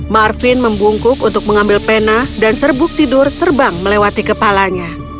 marvin membungkuk untuk mengambil pena dan serbuk tidur terbang melewati kepalanya